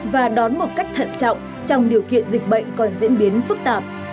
và đón một cách thận trọng trong điều kiện dịch bệnh còn diễn biến phức tạp